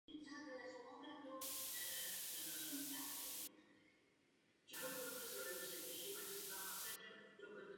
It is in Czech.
Producentem této skupiny byl Tony Marshall.